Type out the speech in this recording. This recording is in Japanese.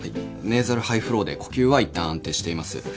ネーザルハイフローで呼吸はいったん安定しています。